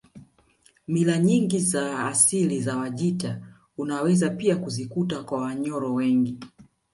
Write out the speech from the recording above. Mila nyingi za asili za Wajita unaweza pia kuzikuta kwa Wanyoro wengi